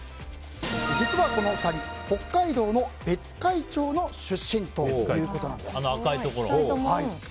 実は、この２人北海道の別海町のあの赤いところ。